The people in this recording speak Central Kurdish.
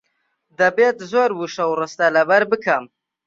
دەبێت زۆر وشە و ڕستە لەبەر بکەم.